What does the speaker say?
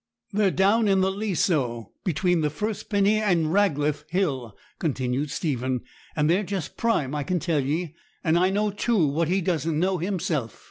'They're down in the leasowe, between the Firspinny and Ragleth Hill,' continued Stephen; 'and they're just prime, I can tell ye. And I know, too, what he doesn't know himself.